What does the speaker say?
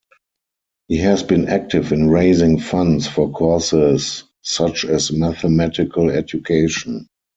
He has been active in raising funds for causes such as mathematical education.